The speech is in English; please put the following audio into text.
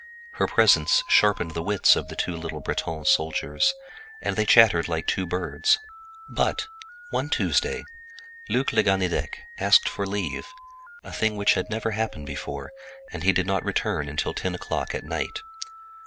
Her presence sharpened the wits of the two little Breton soldiers, and they chattered like two birds. But, one Tuesday, Luc le Ganidec asked for leave—a thing which had never happened before—and he did not return until ten o'clock at night.